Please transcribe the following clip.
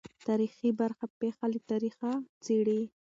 تاریخي برخه پېښه له تاریخه څېړي.